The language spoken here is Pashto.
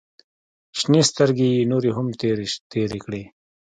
شنې سترګې يې نورې هم تېرې کړې.